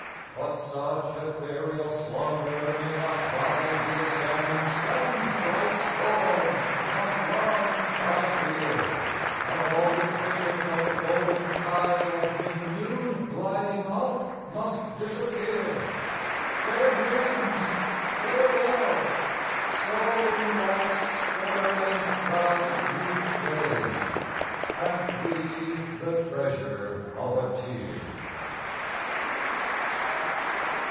But such ethereal slumber may not bide The ascending sun's bright scorn not long, I fear; And all its visions on the golden tide Of mid noon gliding off, must disappear. Fair dreams, farewell! So in life's stir and pride You fade, and leave the treasure of a tear!